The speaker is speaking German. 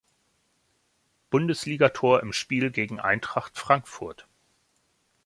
Bundesligator im Spiel gegen Eintracht Frankfurt.